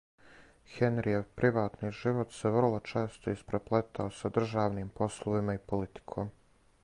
Хенријев приватни живот се врло често испреплетао са државним пословима и политиком.